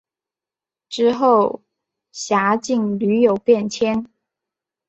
之后辖境屡有变迁。